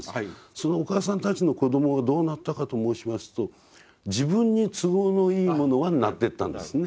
そのお母さんたちの子どもがどうなったかと申しますと「自分に都合のいいものは」になってったんですね。